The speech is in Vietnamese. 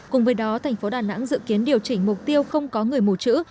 cùng với đó thành phố đà nẵng dự kiến điều chỉnh mục tiêu không có người mùa trữ